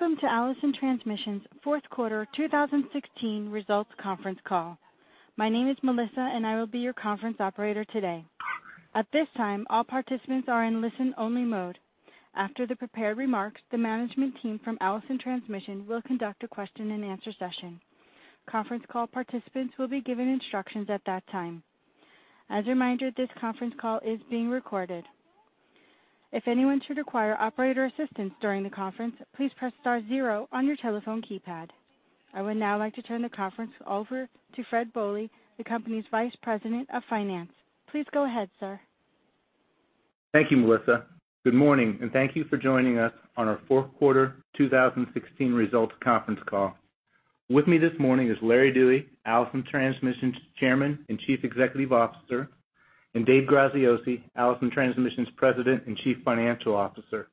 Welcome to Allison Transmission's fourth quarter 2016 results conference call. My name is Melissa, and I will be your conference operator today. At this time, all participants are in listen-only mode. After the prepared remarks, the management team from Allison Transmission will conduct a question-and-answer session. Conference call participants will be given instructions at that time. As a reminder, this conference call is being recorded. If anyone should require operator assistance during the conference, please press star zero on your telephone keypad. I would now like to turn the conference over to Fred Bohley, the company's Vice President of Finance. Please go ahead, sir. Thank you, Melissa. Good morning, and thank you for joining us on our fourth quarter 2016 results conference call. With me this morning is Larry Dewey, Allison Transmission's Chairman and Chief Executive Officer, and Dave Graziosi, Allison Transmission's President and Chief Financial Officer.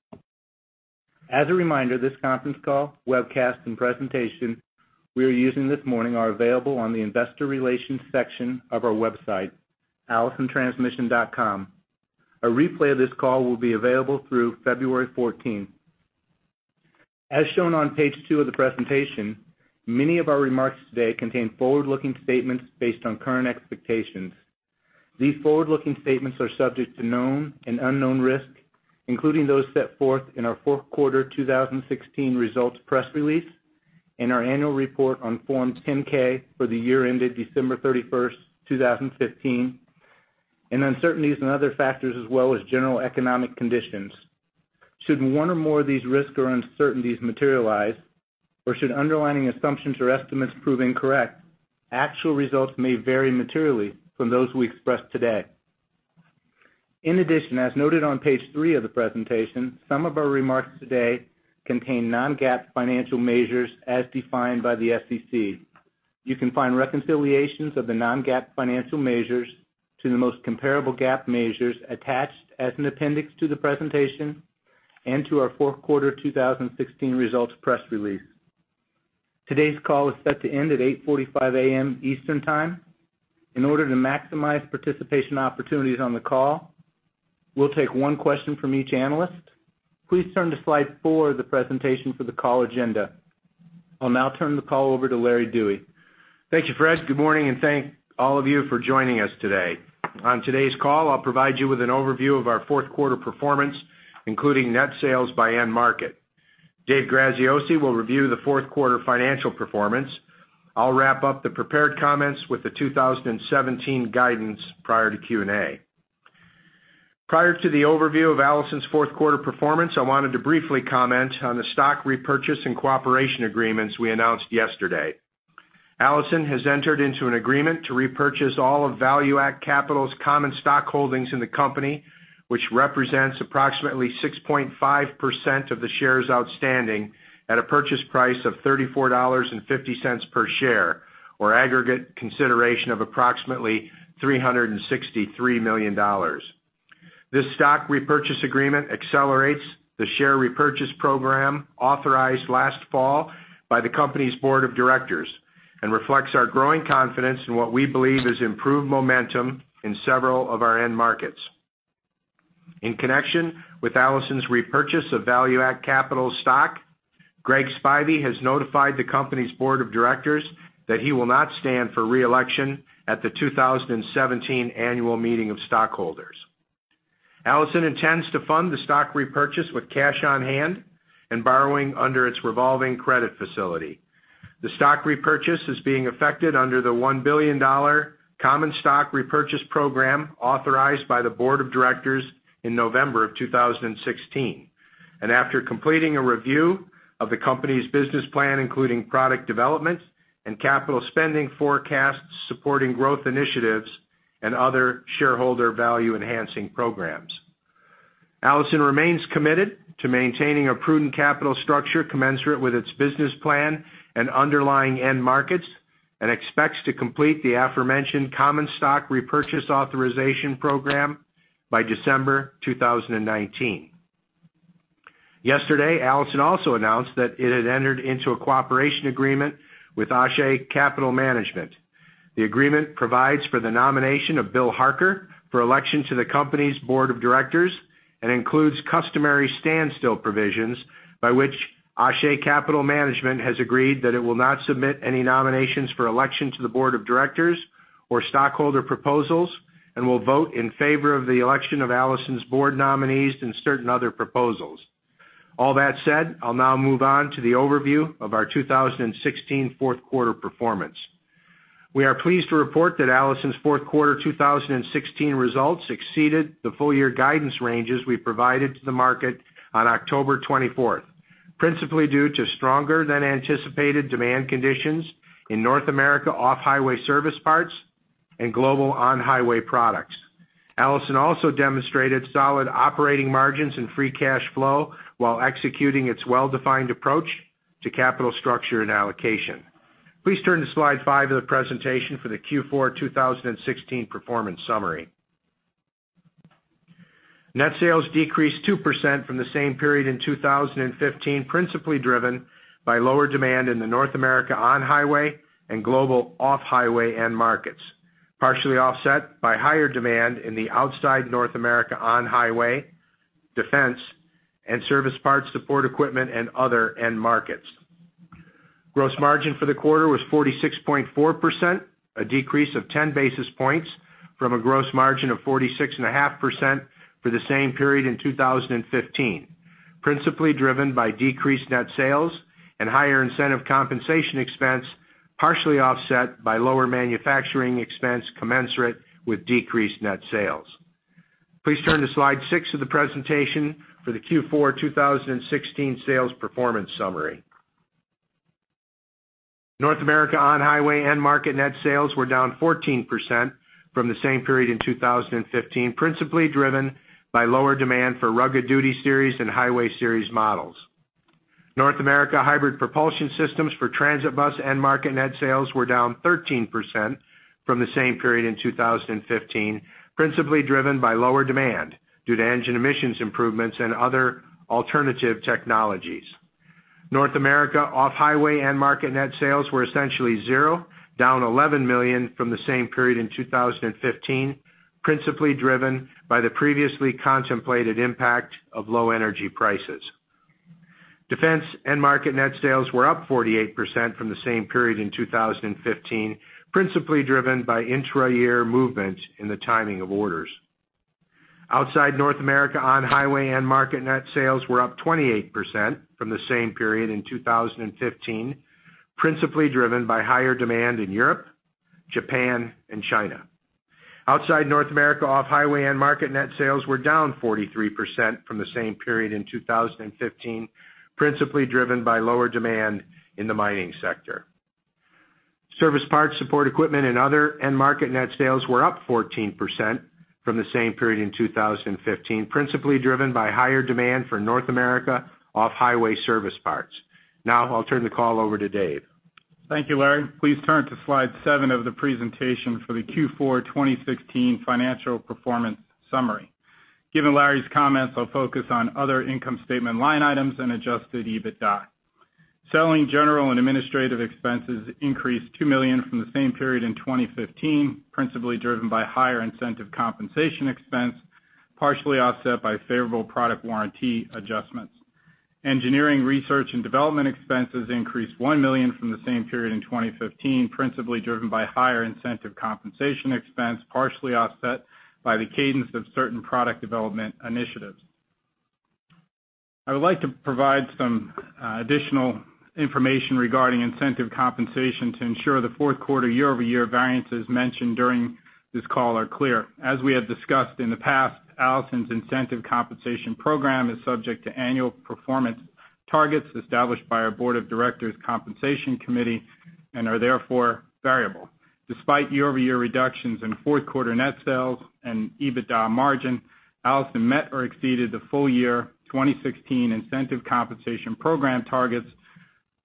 As a reminder, this conference call, webcast, and presentation we are using this morning are available on the investor relations section of our website, allisontransmission.com. A replay of this call will be available through February 14. As shown on page 2 of the presentation, many of our remarks today contain forward-looking statements based on current expectations. These forward-looking statements are subject to known and unknown risks, including those set forth in our fourth quarter 2016 results press release and our annual report on Form 10-K for the year ended December 31, 2015, and uncertainties and other factors, as well as general economic conditions. Should one or more of these risks or uncertainties materialize, or should underlying assumptions or estimates prove incorrect, actual results may vary materially from those we express today. In addition, as noted on page 3 of the presentation, some of our remarks today contain non-GAAP financial measures as defined by the SEC. You can find reconciliations of the non-GAAP financial measures to the most comparable GAAP measures attached as an appendix to the presentation and to our fourth quarter 2016 results press release. Today's call is set to end at 8:45 A.M. Eastern Time. In order to maximize participation opportunities on the call, we'll take one question from each analyst. Please turn to slide four of the presentation for the call agenda. I'll now turn the call over to Larry Dewey. Thank you, Fred. Good morning, and thank all of you for joining us today. On today's call, I'll provide you with an overview of our fourth quarter performance, including net sales by end market. Dave Graziosi will review the fourth quarter financial performance. I'll wrap up the prepared comments with the 2017 guidance prior to Q&A. Prior to the overview of Allison's fourth quarter performance, I wanted to briefly comment on the stock repurchase and cooperation agreements we announced yesterday. Allison has entered into an agreement to repurchase all of ValueAct Capital's common stock holdings in the company, which represents approximately 6.5% of the shares outstanding, at a purchase price of $34.50 per share, or aggregate consideration of approximately $363 million. This stock repurchase agreement accelerates the share repurchase program authorized last fall by the company's board of directors and reflects our growing confidence in what we believe is improved momentum in several of our end markets. In connection with Allison's repurchase of ValueAct Capital's stock, Greg Spivy has notified the company's board of directors that he will not stand for reelection at the 2017 annual meeting of stockholders. Allison intends to fund the stock repurchase with cash on hand and borrowing under its revolving credit facility. The stock repurchase is being effected under the $1 billion common stock repurchase program authorized by the board of directors in November of 2016, and after completing a review of the company's business plan, including product development and capital spending forecasts, supporting growth initiatives and other shareholder value-enhancing programs. Allison remains committed to maintaining a prudent capital structure commensurate with its business plan and underlying end markets and expects to complete the aforementioned common stock repurchase authorization program by December 2019. Yesterday, Allison also announced that it had entered into a cooperation agreement with Ashe Capital Management. The agreement provides for the nomination of Bill Harker for election to the company's board of directors and includes customary standstill provisions by which Ashe Capital Management has agreed that it will not submit any nominations for election to the board of directors or stockholder proposals and will vote in favor of the election of Allison's board nominees and certain other proposals. All that said, I'll now move on to the overview of our 2016 fourth quarter performance. We are pleased to report that Allison's fourth quarter 2016 results exceeded the full year guidance ranges we provided to the market on October 24th, principally due to stronger than anticipated demand conditions in North America Off-Highway service parts and global on-highway products. Allison also demonstrated solid operating margins and free cash flow while executing its well-defined approach to capital structure and allocation. Please turn to slide 5 of the presentation for the Q4 2016 performance summary. Net sales decreased 2% from the same period in 2015, principally driven by lower demand in the North America On-Highway and global off-highway end markets... partially offset Outside North America On-Highway, defense, and service parts, support equipment, and other end markets. Gross margin for the quarter was 46.4%, a decrease of 10 basis points from a gross margin of 46.5% for the same period in 2015, principally driven by decreased net sales and higher incentive compensation expense, partially offset by lower manufacturing expense commensurate with decreased net sales. Please turn to Slide 6 of the presentation for the Q4 2016 sales performance summary. North America On-Highway end market net sales were down 14% from the same period in 2015, principally driven by lower demand for Rugged Duty Series and Highway Series models. North America Hybrid Propulsion Systems for Transit Bus end market net sales were down 13% from the same period in 2015, principally driven by lower demand due to engine emissions improvements and other alternative technologies. North America Off-Highway end market net sales were essentially zero, down $11 million from the same period in 2015, principally driven by the previously contemplated impact of low energy prices. Defense end market net sales were up 48% from the same period in 2015, principally driven by intra-year movements Outside North America On-Highway end market net sales were up 28% from the same period in 2015, principally driven by higher demand in Europe, Japan, and China. Outside North America Off-Highway end market net sales were down 43% from the same period in 2015, principally driven by lower demand in the mining sector. Service parts, support equipment, and other end market net sales were up 14% from the same period in 2015, principally driven by higher demand for North America Off-Highway service parts. Now, I'll turn the call over to Dave. Thank you, Larry. Please turn to Slide 7 of the presentation for the Q4 2016 financial performance summary. Given Larry's comments, I'll focus on other income statement line items and Adjusted EBITDA. Selling, general, and administrative expenses increased $2 million from the same period in 2015, principally driven by higher incentive compensation expense, partially offset by favorable product warranty adjustments. Engineering, research, and development expenses increased $1 million from the same period in 2015, principally driven by higher incentive compensation expense, partially offset by the cadence of certain product development initiatives. I would like to provide some additional information regarding incentive compensation to ensure the fourth quarter year-over-year variances mentioned during this call are clear. As we have discussed in the past, Allison's incentive compensation program is subject to annual performance targets established by our Board of Directors' Compensation Committee, and are therefore variable. Despite year-over-year reductions in fourth quarter net sales and EBITDA margin, Allison met or exceeded the full-year 2016 incentive compensation program targets,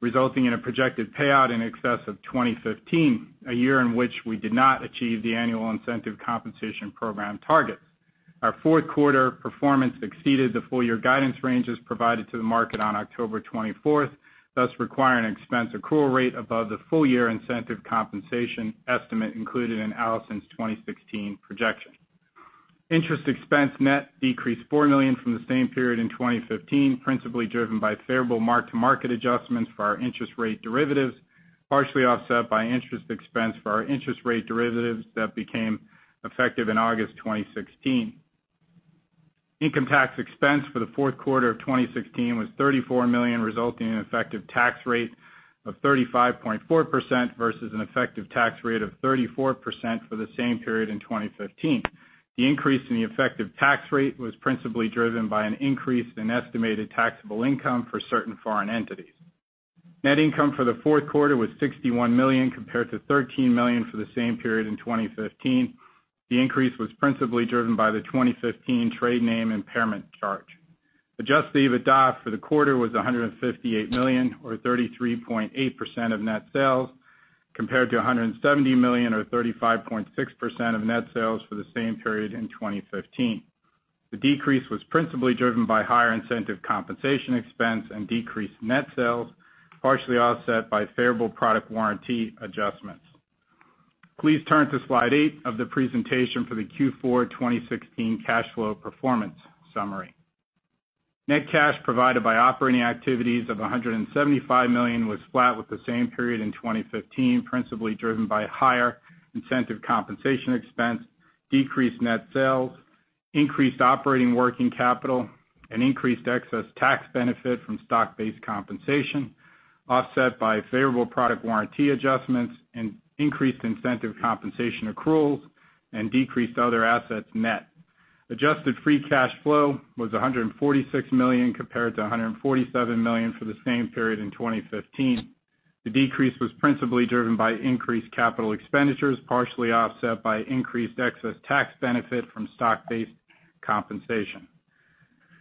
resulting in a projected payout in excess of 2015, a year in which we did not achieve the annual incentive compensation program targets. Our fourth quarter performance exceeded the full-year guidance ranges provided to the market on October 24, thus requiring an expense accrual rate above the full-year incentive compensation estimate included in Allison's 2016 projection. Interest expense net decreased $4 million from the same period in 2015, principally driven by favorable mark-to-market adjustments for our interest rate derivatives, partially offset by interest expense for our interest rate derivatives that became effective in August 2016. Income tax expense for the fourth quarter of 2016 was $34 million, resulting in an effective tax rate of 35.4% versus an effective tax rate of 34% for the same period in 2015. The increase in the effective tax rate was principally driven by an increase in estimated taxable income for certain foreign entities. Net income for the fourth quarter was $61 million, compared to $13 million for the same period in 2015. The increase was principally driven by the 2015 trade name impairment charge. Adjusted EBITDA for the quarter was $158 million, or 33.8% of net sales, compared to $170 million, or 35.6% of net sales for the same period in 2015. The decrease was principally driven by higher incentive compensation expense and decreased net sales, partially offset by favorable product warranty adjustments. Please turn to Slide 8 of the presentation for the Q4 2016 cash flow performance summary. Net cash provided by operating activities of $175 million was flat with the same period in 2015, principally driven by higher incentive compensation expense, decreased net sales, increased operating working capital, and increased excess tax benefit from stock-based compensation, offset by favorable product warranty adjustments and increased incentive compensation accruals and decreased other assets net. Adjusted free cash flow was $146 million, compared to $147 million for the same period in 2015. The decrease was principally driven by increased capital expenditures, partially offset by increased excess tax benefit from stock-based compensation.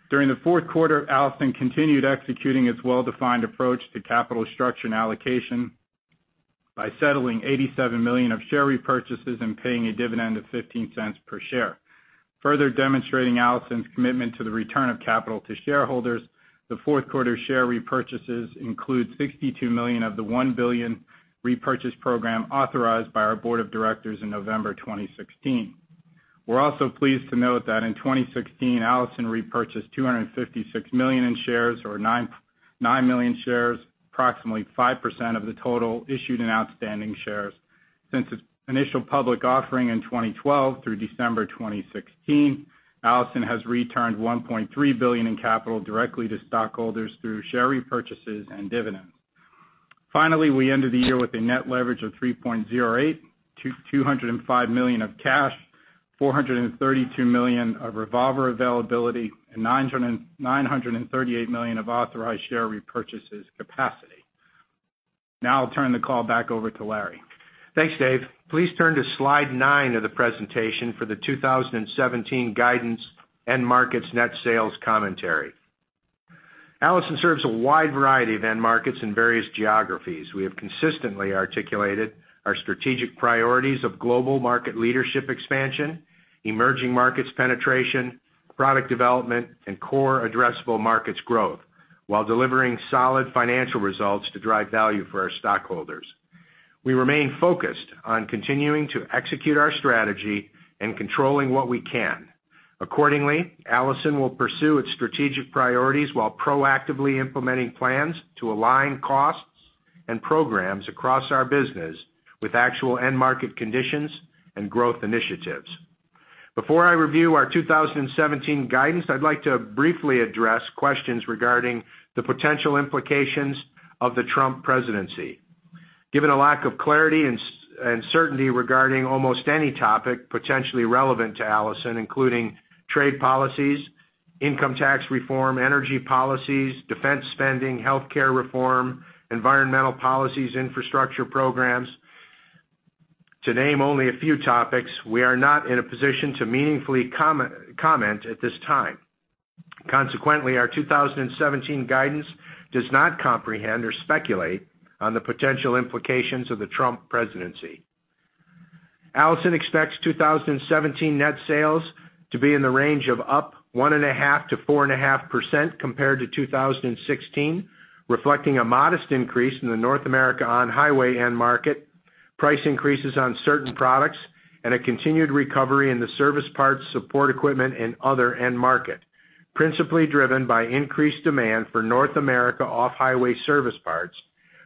During the fourth quarter, Allison continued executing its well-defined approach to capital structure and allocation by settling $87 million of share repurchases and paying a dividend of $0.15 per share. Further demonstrating Allison's commitment to the return of capital to shareholders, the fourth quarter share repurchases include $62 million of the $1 billion repurchase program authorized by our board of directors in November 2016. We're also pleased to note that in 2016, Allison repurchased $256 million in shares, or 9.9 million shares, approximately 5% of the total issued and outstanding shares. Since its initial public offering in 2012 through December 2016, Allison has returned $1.3 billion in capital directly to stockholders through share repurchases and dividends. Finally, we ended the year with a net leverage of 3.08, $205 million of cash, $432 million of revolver availability, and $993.8 million of authorized share repurchases capacity. Now I'll turn the call back over to Larry. Thanks, Dave. Please turn to Slide 9 of the presentation for the 2017 guidance end markets net sales commentary. Allison serves a wide variety of end markets in various geographies. We have consistently articulated our strategic priorities of global market leadership expansion, emerging markets penetration, product development, and core addressable markets growth, while delivering solid financial results to drive value for our stockholders. We remain focused on continuing to execute our strategy and controlling what we can. Accordingly, Allison will pursue its strategic priorities while proactively implementing plans to align costs and programs across our business with actual end market conditions and growth initiatives. Before I review our 2017 guidance, I'd like to briefly address questions regarding the potential implications of the Trump presidency. Given a lack of clarity and certainty regarding almost any topic potentially relevant to Allison, including trade policies, income tax reform, energy policies, defense spending, healthcare reform, environmental policies, infrastructure programs, to name only a few topics, we are not in a position to meaningfully comment at this time. Consequently, our 2017 guidance does not comprehend or speculate on the potential implications of the Trump presidency. Allison expects 2017 net sales to be in the range of up 1.5%-4.5% compared to 2016, reflecting a modest increase in the North America On-Highway end market, price increases on certain products, and a continued recovery in the service parts, support equipment, and other end market, principally driven by increased demand for North America Off-Highway service parts,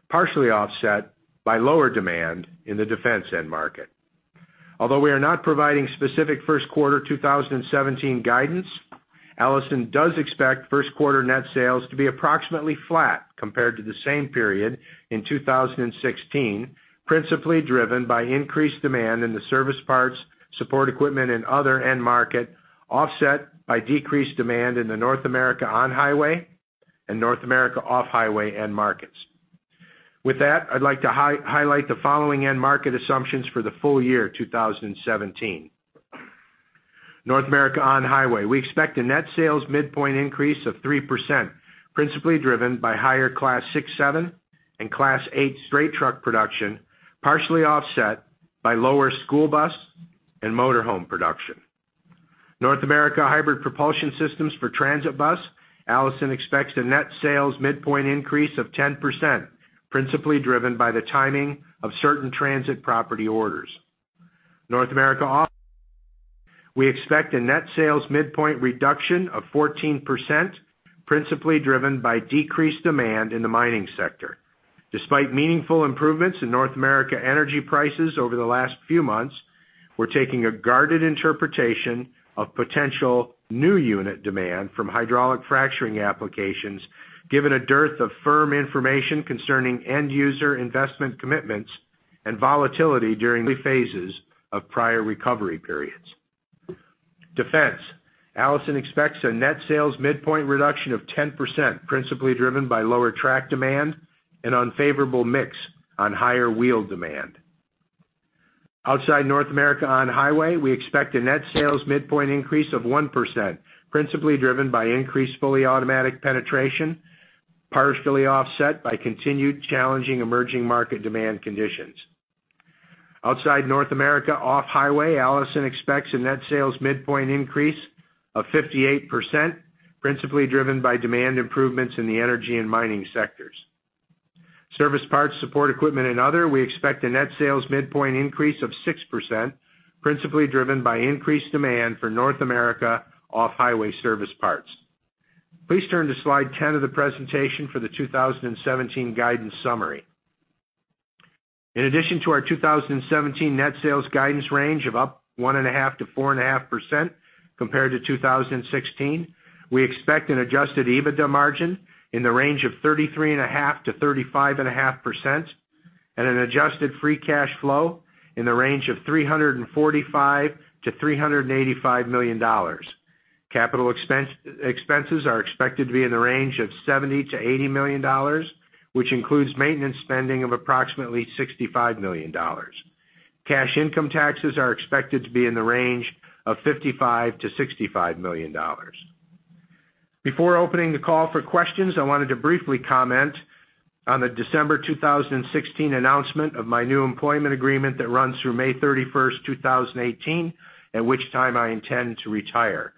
partially offset by lower demand in the defense end market. Although we are not providing specific first quarter 2017 guidance, Allison does expect first quarter net sales to be approximately flat compared to the same period in 2016, principally driven by increased demand in the service parts, support equipment, and other end market, offset by decreased demand in the North America On-Highway and North America Off-Highway end markets. With that, I'd like to highlight the following end market assumptions for the full year 2017. North America On-Highway: we expect a net sales midpoint increase of 3%, principally driven by higher Class 6, 7, and Class 8 straight truck production, partially offset by lower school bus and motor home production. North America Hybrid Propulsion Systems for Transit Bus, Allison expects a net sales midpoint increase of 10%, principally driven by the timing of certain transit property orders. North America Off-Highway, we expect a net sales midpoint reduction of 14%, principally driven by decreased demand in the mining sector. Despite meaningful improvements in North America energy prices over the last few months, we're taking a guarded interpretation of potential new unit demand from hydraulic fracturing applications, given a dearth of firm information concerning end user investment commitments and volatility during the phases of prior recovery periods. Defense, Allison expects a net sales midpoint reduction of 10%, principally driven by lower track demand and unfavourable higher wheel demand. Outside North America On-Highway, we expect a net sales midpoint increase of 1%, principally driven by increased fully automatic penetration, partially offset by continued challenging emerging market demand conditions. Outside North America Off-Highway, Allison expects a net sales midpoint increase of 58%, principally driven by demand improvements in the energy and mining sectors. Service parts, support equipment, and other, we expect a net sales midpoint increase of 6%, principally driven by increased demand for North America Off-Highway service parts. Please turn to Slide 10 of the presentation for the 2017 guidance summary. In addition to our 2017 net sales guidance range of up 1.5%-4.5% compared to 2016, we expect an Adjusted EBITDA margin in the range of 33.5%-35.5%, and an Adjusted Free Cash Flow in the range of $345 million-$385 million. Capital expense, expenses are expected to be in the range of $70 million-$80 million, which includes maintenance spending of approximately $65 million. Cash income taxes are expected to be in the range of $55 million-$65 million. Before opening the call for questions, I wanted to briefly comment on the December 2016 announcement of my new employment agreement that runs through May 31st, 2018, at which time I intend to retire.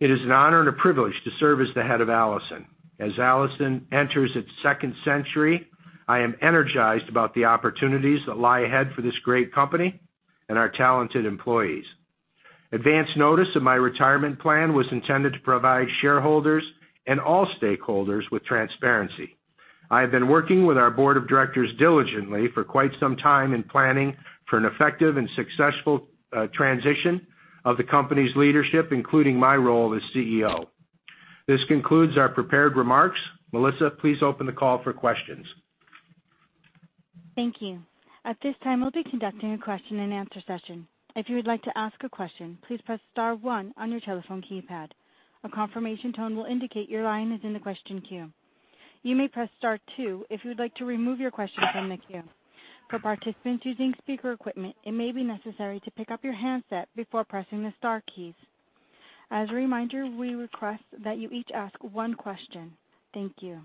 It is an honor and a privilege to serve as the head of Allison. As Allison enters its second century, I am energized about the opportunities that lie ahead for this great company and our talented employees. Advanced notice of my retirement plan was intended to provide shareholders and all stakeholders with transparency. I have been working with our board of directors diligently for quite some time in planning for an effective and successful transition of the company's leadership, including my role as CEO. This concludes our prepared remarks. Melissa, please open the call for questions. Thank you. At this time, we'll be conducting a question-and-answer session. If you would like to ask a question, please press star one on your telephone keypad. A confirmation tone will indicate your line is in the question queue. You may press star two if you would like to remove your question from the queue. For participants using speaker equipment, it may be necessary to pick up your handset before pressing the star keys. As a reminder, we request that you each ask one question. Thank you.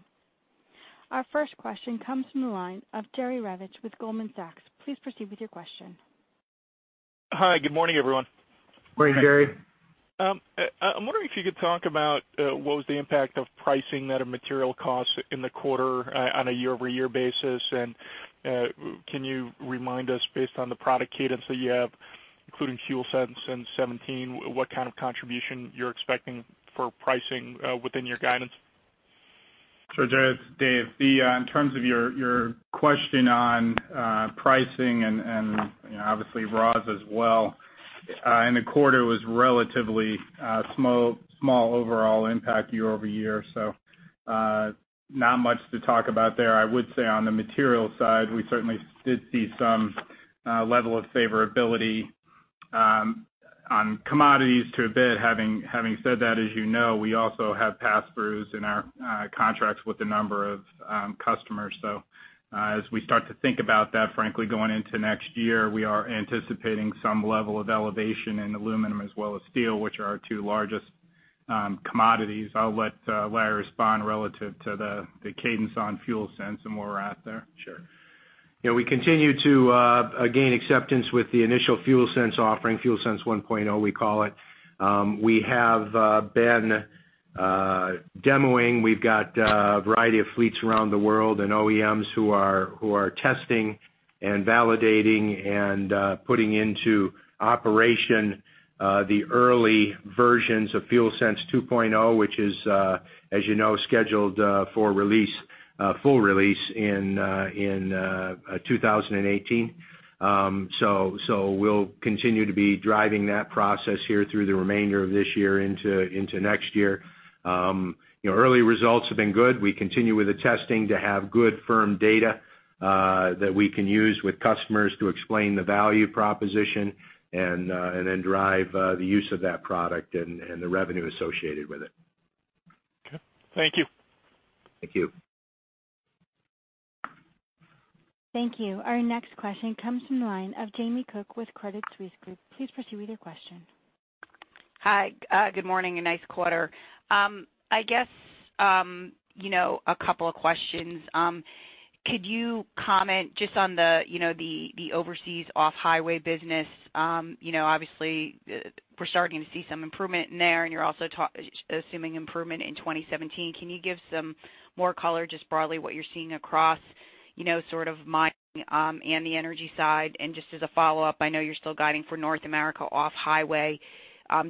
Our first question comes from the line of Jerry Revich with Goldman Sachs. Please proceed with your question. Hi, good morning, everyone. Morning, Jerry. I'm wondering if you could talk about what was the impact of pricing that a material cost in the quarter on a year-over-year basis, and can you remind us, based on the product cadence that you have, including FuelSense in 2017, what kind of contribution you're expecting for pricing within your guidance? Sure, Jerry, it's Dave. In terms of your question on pricing and, you know, obviously, raws as well, in the quarter was relatively small overall impact year over year. So, not much to talk about there. I would say on the material side, we certainly did see some level of favorability on commodities to a bit. Having said that, as you know, we also have pass-throughs in our contracts with a number of customers. So, as we start to think about that, frankly, going into next year, we are anticipating some level of elevation in aluminum as well as steel, which are our two largest commodities. I'll let Larry respond relative to the cadence on FuelSense and where we're at there. Sure. You know, we continue to gain acceptance with the initial FuelSense offering, FuelSense 1.0, we call it. We have been demoing. We've got a variety of fleets around the world and OEMs who are testing and validating and putting into operation the early versions of FuelSense 2.0, which is, as you know, scheduled for release, full release in 2018. So, we'll continue to be driving that process here through the remainder of this year into next year. You know, early results have been good. We continue with the testing to have good, firm data that we can use with customers to explain the value proposition and then drive the use of that product and the revenue associated with it. Okay. Thank you. Thank you. Thank you. Our next question comes from the line of Jamie Cook with Credit Suisse Group. Please proceed with your question. Hi, good morning, and nice quarter. I guess, you know, a couple of questions. Could you comment just on the, you know, the overseas off-highway business? You know, obviously, we're starting to see some improvement in there, and you're also talking assuming improvement in 2017. Can you give some more color, just broadly, what you're seeing across, you know, sort of my, and the energy side? And just as a follow-up, I know you're still guiding for North America Off-Highway,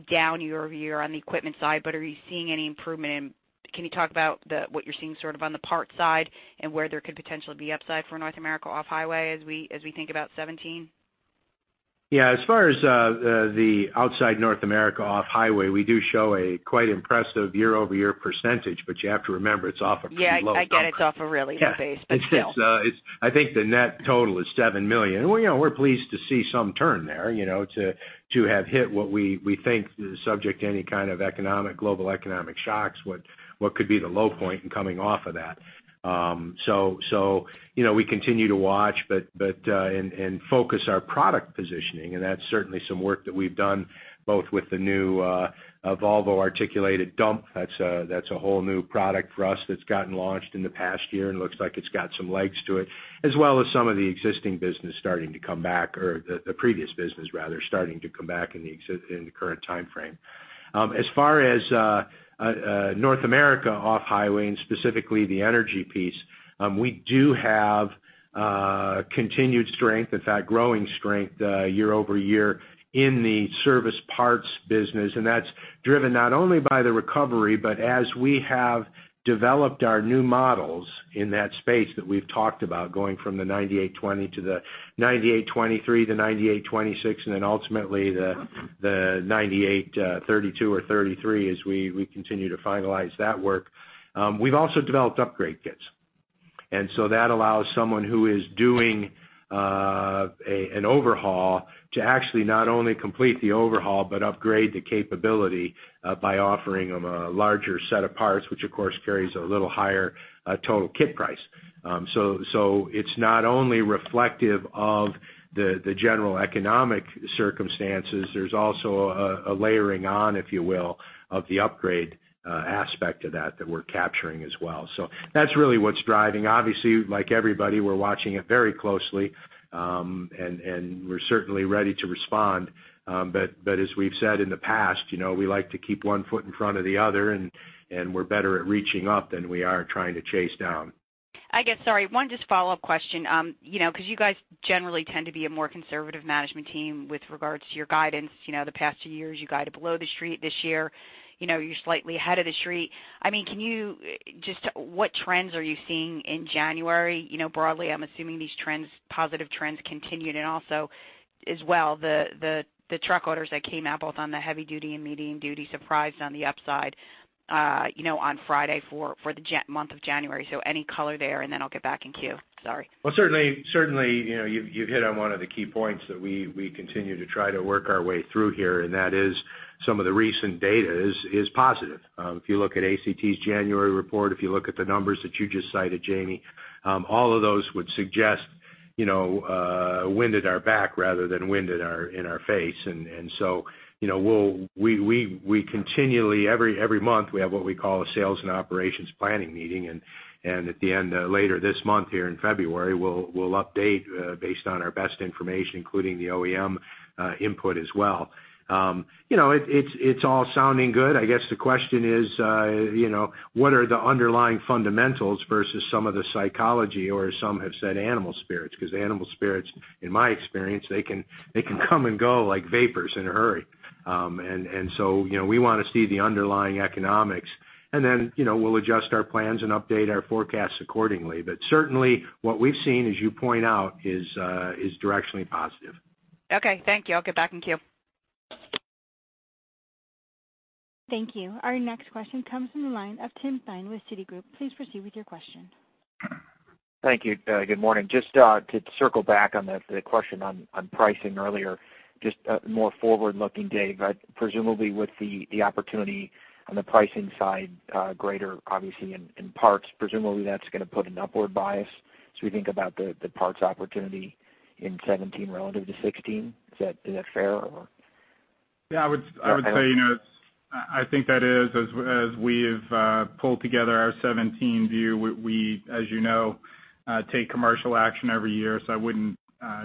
down year-over-year on the equipment side, but are you seeing any improvement in... Can you talk about the, what you're seeing sort of on the parts side and where there could potentially be upside for North America Off-Highway as we, as we think about 2017? Yeah, as far as the outside North America Off-Highway, we do show a quite impressive year-over-year percentage, but you have to remember, it's off a pretty low number. Yeah, I get it's off a really low base, but still. It's -- I think the net total is $7 million. And, you know, we're pleased to see some turn there, you know, to have hit what we think is subject to any kind of economic, global economic shocks, what could be the low point in coming off of that. So, you know, we continue to watch, but and focus our product positioning, and that's certainly some work that we've done, both with the new Volvo articulated dump. That's a whole new product for us that's gotten launched in the past year and looks like it's got some legs to it, as well as some of the existing business starting to come back, or the previous business, rather, starting to come back in the exist- in the current timeframe. As far as North America Off-Highway, and specifically the energy piece, we do have continued strength, in fact, growing strength year-over-year in the service parts business, and that's driven not only by the recovery, but as we have developed our new models in that space that we've talked about, going from the 9820 to the 9823 to 9826, and then ultimately, the 9832 or 33, as we continue to finalize that work. We've also developed upgrade kits. And so that allows someone who is doing an overhaul to actually not only complete the overhaul, but upgrade the capability by offering them a larger set of parts, which of course carries a little higher total kit price. So it's not only reflective of the general economic circumstances. There's also a layering on, if you will, of the upgrade aspect to that that we're capturing as well. So that's really what's driving. Obviously, like everybody, we're watching it very closely, and we're certainly ready to respond. But as we've said in the past, you know, we like to keep one foot in front of the other, and we're better at reaching up than we are trying to chase down. I guess, sorry, one just follow-up question. You know, because you guys generally tend to be a more conservative management team with regards to your guidance. You know, the past two years, you guided below the street. This year, you know, you're slightly ahead of the street. I mean, can you just what trends are you seeing in January? You know, broadly, I'm assuming these trends, positive trends continued, and also as well, the truck orders that came out, both on the heavy duty and medium duty, surprised on the upside, you know, on Friday for the January month of January. So any color there, and then I'll get back in queue. Sorry. Well, certainly, certainly, you know, you've hit on one of the key points that we continue to try to work our way through here, and that is some of the recent data is positive. If you look at ACT's January report, if you look at the numbers that you just cited, Jamie, all of those would suggest, you know, wind at our back rather than wind in our face. And so, you know, we'll continually, every month, we have what we call a sales and operations planning meeting. And at the end, later this month here in February, we'll update based on our best information, including the OEM input as well. You know, it's all sounding good. I guess the question is, you know, what are the underlying fundamentals versus some of the psychology, or as some have said, animal spirits? Because animal spirits, in my experience, they can, they can come and go like vapors in a hurry. And so, you know, we want to see the underlying economics, and then, you know, we'll adjust our plans and update our forecasts accordingly. But certainly, what we've seen, as you point out, is directionally positive. Okay, thank you. I'll get back in queue. Thank you. Our next question comes from the line of Tim Thein with Citigroup. Please proceed with your question. Thank you. Good morning. Just to circle back on the, the question on, on pricing earlier, just more forward-looking, Dave, but presumably with the, the opportunity on the pricing side, greater obviously in, in parts, presumably that's gonna put an upward bias as we think about the, the parts opportunity in 2017 relative to 2016. Is that, is that fair, or? Yeah, I would say, you know, it's—I think that is, as we've pulled together our 2017 view, we, as you know, take commercial action every year, so I wouldn't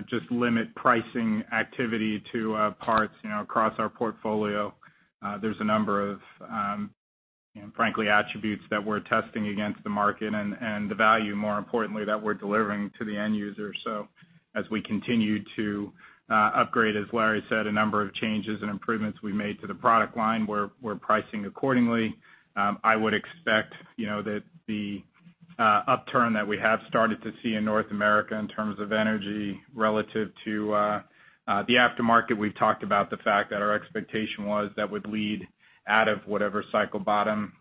just limit pricing activity to parts, you know, across our portfolio. There's a number of, frankly, attributes that we're testing against the market and the value, more importantly, that we're delivering to the end user. So as we continue to upgrade, as Larry said, a number of changes and improvements we made to the product line, we're pricing accordingly. I would expect, you know, that the upturn that we have started to see in North America in terms of energy relative to the aftermarket, we've talked about the fact that our expectation was that would lead out of whatever cycle bottom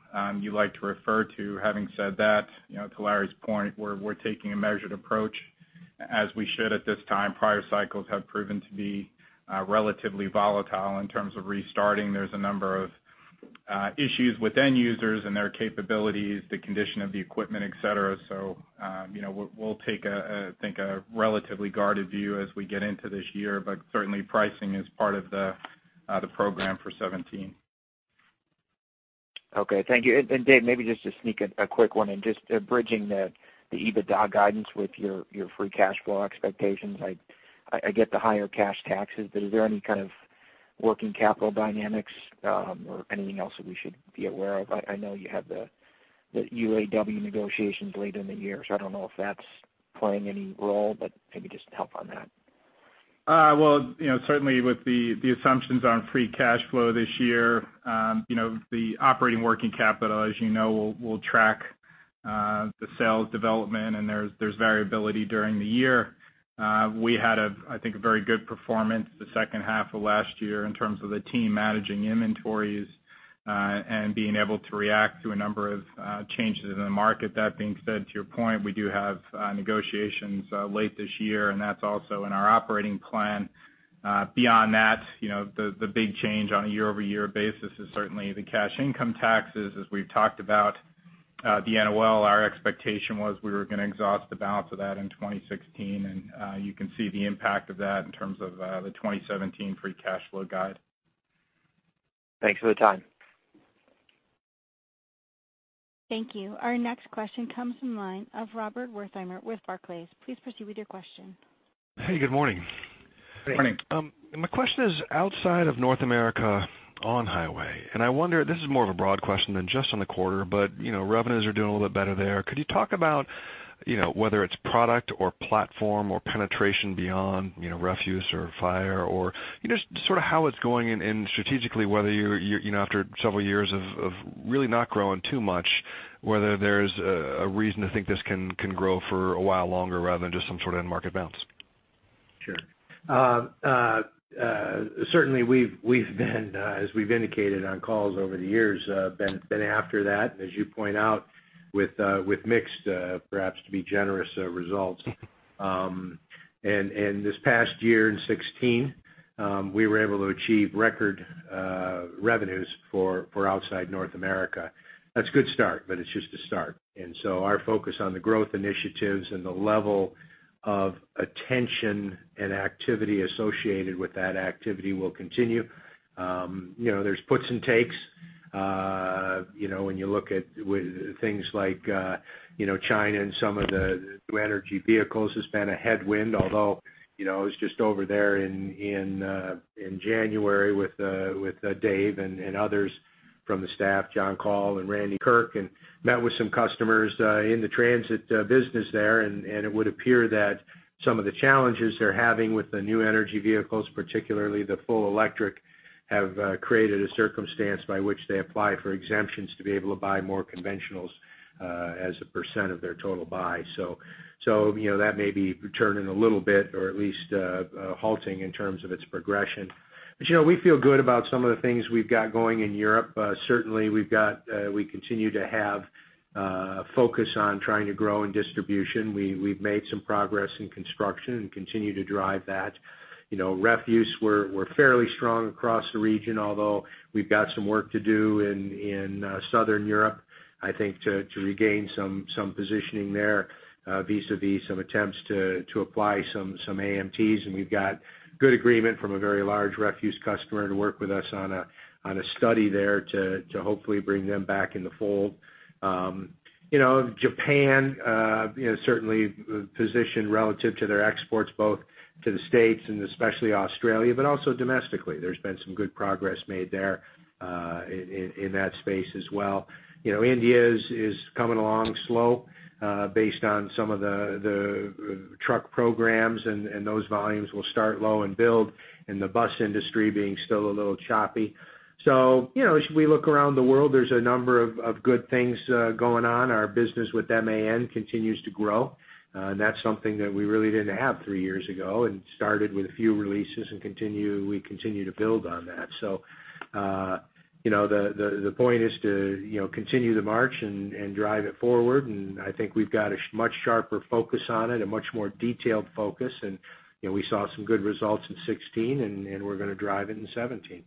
you like to refer to. Having said that, you know, to Larry's point, we're, we're taking a measured approach, as we should at this time. Prior cycles have proven to be relatively volatile in terms of restarting. There's a number of issues with end users and their capabilities, the condition of the equipment, et cetera. So, you know, we'll, we'll take a think a relatively guarded view as we get into this year, but certainly pricing is part of the program for 2017. Okay, thank you. And Dave, maybe just to sneak a quick one and just bridging the EBITDA guidance with your free cash flow expectations. I get the higher cash taxes, but is there any kind of working capital dynamics or anything else that we should be aware of? I know you have the UAW negotiations later in the year, so I don't know if that's playing any role, but maybe just help on that. Well, you know, certainly with the assumptions on free cash flow this year, you know, the operating working capital, as you know, will track the sales development, and there's variability during the year. We had, I think, a very good performance the second half of last year in terms of the team managing inventories and being able to react to a number of changes in the market. That being said, to your point, we do have negotiations late this year, and that's also in our operating plan. Beyond that, you know, the big change on a year-over-year basis is certainly the cash income taxes. As we've talked about, the NOL, our expectation was we were gonna exhaust the balance of that in 2016, and you can see the impact of that in terms of the 2017 free cash flow guide. Thanks for the time. Thank you. Our next question comes from the line of Rob Wertheimer with Barclays. Please proceed with your question. Hey, good morning. Good morning. My question is outside of North America on highway, and I wonder, this is more of a broad question than just on the quarter, but, you know, revenues are doing a little bit better there. Could you talk about, you know, whether it's product or platform or penetration beyond, you know, refuse or fire or, you know, just sort of how it's going and, strategically, whether you're, you know, after several years of really not growing too much, whether there's a reason to think this can grow for a while longer rather than just some sort of end market bounce?... Sure. Certainly we've been, as we've indicated on calls over the years, been after that, as you point out, with mixed, perhaps, to be generous, results. And this past year in 2016, we were able to achieve record revenues for outside North America. That's a good start, but it's just a start. So our focus on the growth initiatives and the level of attention and activity associated with that activity will continue. You know, there's puts and takes, you know, when you look at with things like, you know, China and some of the new energy vehicles, it's been a headwind, although, you know, I was just over there in January with Dave and others from the staff, John Coll and Randy Kirk, and met with some customers in the transit business there. And it would appear that some of the challenges they're having with the new energy vehicles, particularly the full electric, have created a circumstance by which they apply for exemptions to be able to buy more conventionals as a percent of their total buy. So you know, that may be turning a little bit or at least halting in terms of its progression. You know, we feel good about some of the things we've got going in Europe. Certainly, we continue to have focus on trying to grow in distribution. We've made some progress in construction and continue to drive that. You know, refuse, we're fairly strong across the region, although we've got some work to do in Southern Europe, I think, to regain some positioning there, vis-a-vis some attempts to apply some AMTs. We've got good agreement from a very large refuse customer to work with us on a study there to hopefully bring them back in the fold. You know, Japan, you know, certainly positioned relative to their exports, both to the States and especially Australia, but also domestically. There's been some good progress made there in that space as well. You know, India is coming along slow based on some of the truck programs, and those volumes will start low and build, and the bus industry being still a little choppy. So, you know, as we look around the world, there's a number of good things going on. Our business with MAN continues to grow, and that's something that we really didn't have three years ago, and started with a few releases and continue, we continue to build on that. So, you know, the point is to continue the march and drive it forward. I think we've got a much sharper focus on it, a much more detailed focus, and, you know, we saw some good results in 2016, and we're gonna drive it in 2017.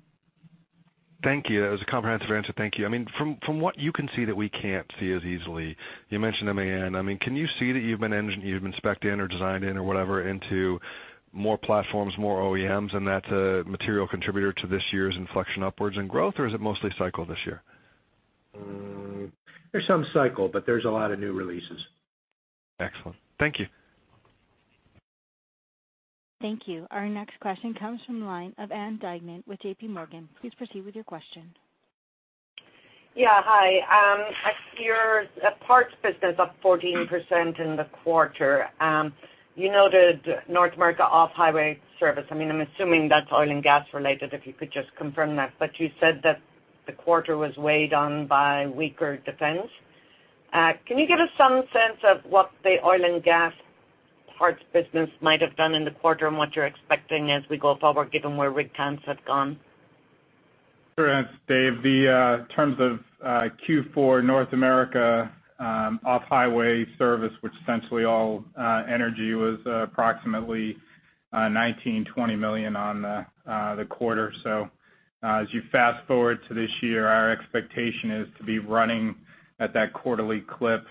Thank you. That was a comprehensive answer. Thank you. I mean, from what you can see that we can't see as easily, you mentioned MAN. I mean, can you see that you've been specced in or designed in or whatever, into more platforms, more OEMs, and that's a material contributor to this year's inflection upwards in growth, or is it mostly cycle this year? There's some cycle, but there's a lot of new releases. Excellent. Thank you. Thank you. Our next question comes from the line of Ann Duignan with J.P. Morgan. Please proceed with your question. Yeah. Hi, I see your parts business up 14% in the quarter. You noted North America Off-Highway service. I mean, I'm assuming that's oil and gas related, if you could just confirm that. But you said that the quarter was weighed on by weaker defense. Can you give us some sense of what the oil and gas parts business might have done in the quarter, and what you're expecting as we go forward, given where rig counts have gone? Sure, Anne. It's Dave. The end of Q4 North America Off-Highway service, which is essentially all energy, was approximately $19.2 million on the quarter. So, as you fast-forward to this year, our expectation is to be running at that quarterly clip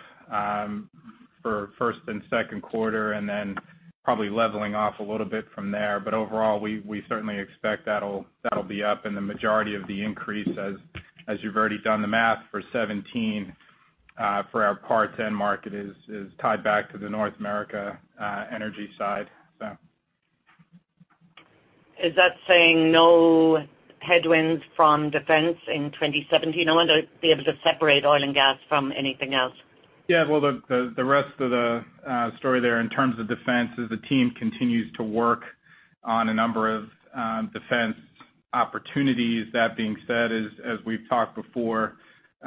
for first and second quarter, and then probably leveling off a little bit from there. But overall, we, we certainly expect that'll, that'll be up and the majority of the increase, as, as you've already done the math for 2017, for our parts end market, is, is tied back to the North America energy side, so. Is that saying no headwinds from defense in 2017? I want to be able to separate oil and gas from anything else. Yeah, well, the rest of the story there in terms of defense is the team continues to work on a number of defense opportunities. That being said, as we've talked before,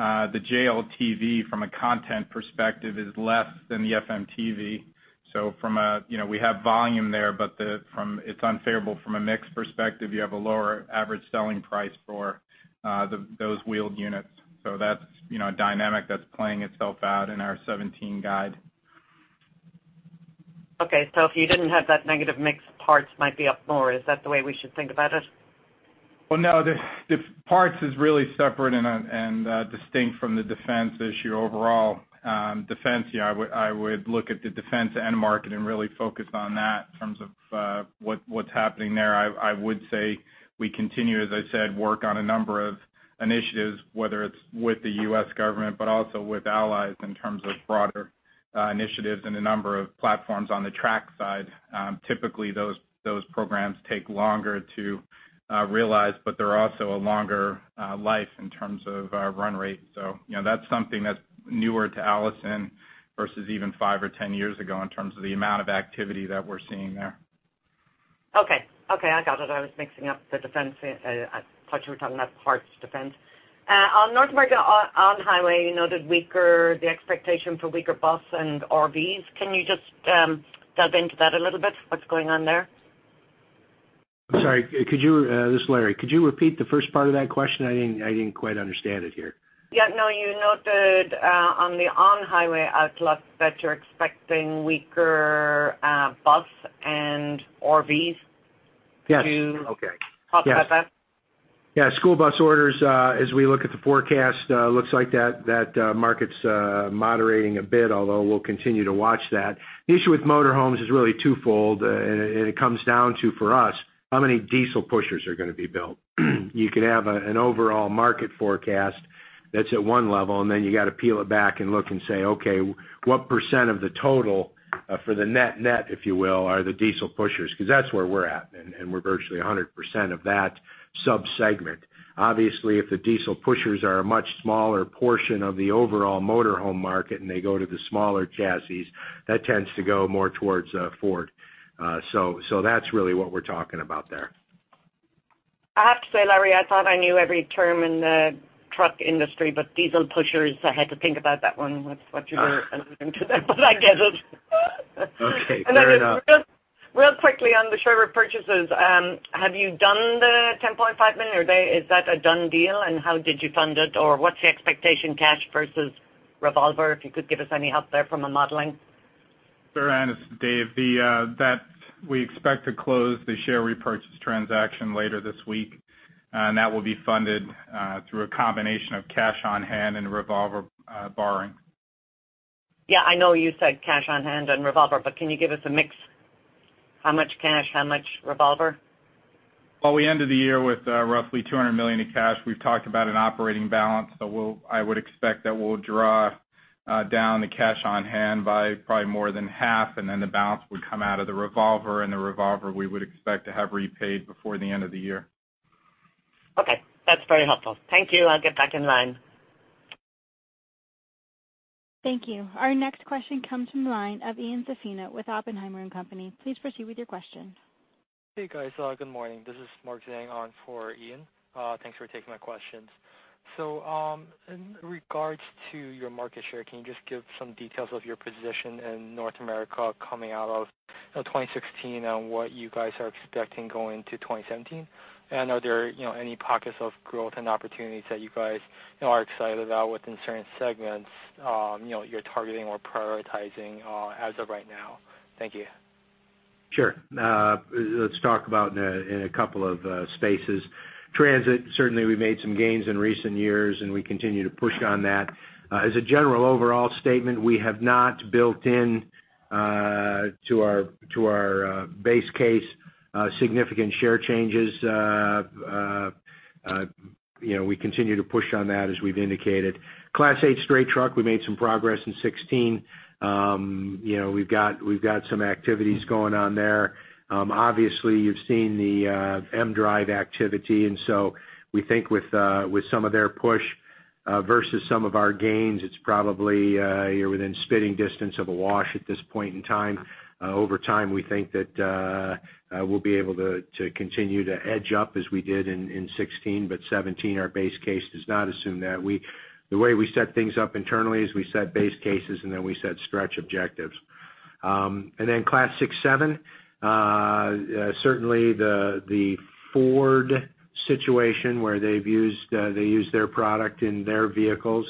the JLTV, from a content perspective, is less than the FMTV. So from a, you know, we have volume there, but from, it's unfavorable from a mix perspective. You have a lower average selling price for those wheeled units. So that's, you know, a dynamic that's playing itself out in our 2017 guide. Okay. So if you didn't have that negative mix, parts might be up more, is that the way we should think about it? Well, no, the parts is really separate and distinct from the defense issue overall. Defense, yeah, I would look at the defense end market and really focus on that in terms of what what's happening there. I would say we continue, as I said, work on a number of initiatives, whether it's with the U.S. government, but also with allies in terms of broader initiatives and a number of platforms on the track side. Typically, those programs take longer to realize, but they're also a longer life in terms of run rate. So, you know, that's something that's newer to Allison versus even five or 10 years ago in terms of the amount of activity that we're seeing there.... Okay, okay, I got it. I was mixing up the defense. I thought you were talking about parts defense. On North America On-Highway, you noted weaker, the expectation for weaker bus and RVs. Can you just delve into that a little bit? What's going on there? I'm sorry, could you, this is Larry. Could you repeat the first part of that question? I didn't, I didn't quite understand it here. Yeah, no, you noted, on the on-highway outlook that you're expecting weaker, bus and RVs- Yes. -could you- Okay. Talk about that? Yes. Yeah, school bus orders, as we look at the forecast, looks like that market's moderating a bit, although we'll continue to watch that. The issue with motor homes is really twofold, and it comes down to, for us, how many diesel pushers are gonna be built? You could have an overall market forecast that's at one level, and then you got to peel it back and look and say, "Okay, what percent of the total, for the net net, if you will, are the diesel pushers?" 'Cause that's where we're at, and we're virtually 100% of that sub-segment. Obviously, if the diesel pushers are a much smaller portion of the overall motor home market, and they go to the smaller chassis, that tends to go more towards Ford. So, that's really what we're talking about there. I have to say, Larry, I thought I knew every term in the truck industry, but diesel pushers, I had to think about that one, with what you were alluding to there, but I get it. Okay, fair enough. Really quickly on the share repurchases, have you done the $10.5 million, is that a done deal? And how did you fund it, or what's the expectation, cash versus revolver, if you could give us any help there from a modeling? Sure, Anne, it's Dave. That we expect to close the share repurchase transaction later this week, and that will be funded through a combination of cash on hand and revolver borrowing. Yeah, I know you said cash on hand and revolver, but can you give us a mix? How much cash, how much revolver? Well, we ended the year with roughly $200 million in cash. We've talked about an operating balance, so we'll, I would expect that we'll draw down the cash on hand by probably more than half, and then the balance would come out of the revolver, and the revolver, we would expect to have repaid before the end of the year. Okay. That's very helpful. Thank you. I'll get back in line. Thank you. Our next question comes from the line of Ian Zaffino with Oppenheimer & Co. Please proceed with your question. Hey, guys, good morning. This is Mark Zhang on for Ian. Thanks for taking my questions. So, in regards to your market share, can you just give some details of your position in North America coming out of, you know, 2016 and what you guys are expecting going into 2017? And are there, you know, any pockets of growth and opportunities that you guys, you know, are excited about within certain segments, you know, you're targeting or prioritizing, as of right now? Thank you. Sure. Let's talk about in a couple of spaces. Transit, certainly we've made some gains in recent years, and we continue to push on that. As a general overall statement, we have not built in to our base case significant share changes. You know, we continue to push on that, as we've indicated. Class 8 straight truck, we made some progress in 2016. You know, we've got, we've got some activities going on there. Obviously, you've seen the mDRIVE activity, and so we think with some of their push versus some of our gains, it's probably you're within spitting distance of a wash at this point in time. Over time, we think that we'll be able to continue to edge up as we did in 2016, but 2017, our base case does not assume that. We—the way we set things up internally is we set base cases, and then we set stretch objectives. And then Class 6, 7, certainly the Ford situation, where they've used, they use their product in their vehicles.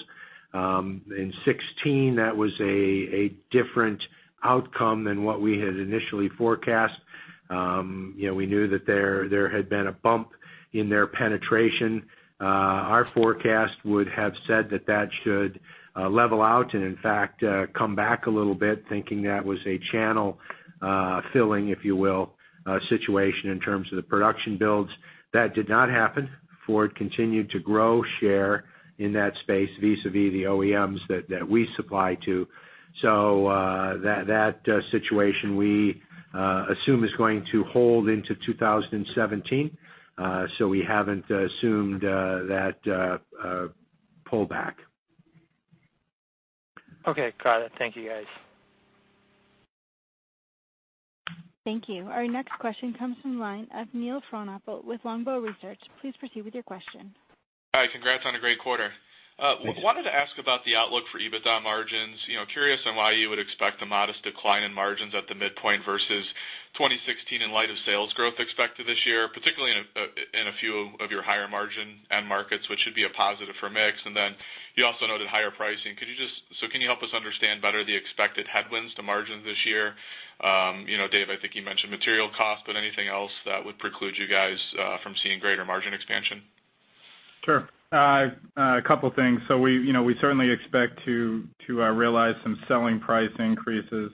In 2016, that was a different outcome than what we had initially forecast. You know, we knew that there had been a bump in their penetration. Our forecast would have said that that should level out and, in fact, come back a little bit, thinking that was a channel filling, if you will, situation in terms of the production builds. That did not happen. Ford continued to grow share in that space, vis-à-vis the OEMs that we supply to. So, that situation, we assume is going to hold into 2017. We haven't assumed that pullback. Okay, got it. Thank you, guys. Thank you. Our next question comes from the line of Neil Frohnapfel with Longbow Research. Please proceed with your question. Hi, congrats on a great quarter. Thank you. Wanted to ask about the outlook for EBITDA margins. You know, curious on why you would expect a modest decline in margins at the midpoint versus 2016 in light of sales growth expected this year, particularly in a few of your higher margin end markets, which should be a positive for mix. And then you also noted higher pricing. Could you just so can you help us understand better the expected headwinds to margins this year? You know, Dave, I think you mentioned material costs, but anything else that would preclude you guys from seeing greater margin expansion? Sure. A couple things. So we, you know, we certainly expect to realize some selling price increases.